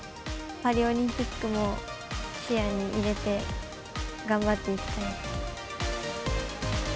パリオリンピックも視野に入れて、頑張っていきたいです。